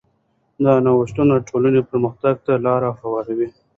دا نوښتونه د ټولنې پرمختګ ته لاره هواروي.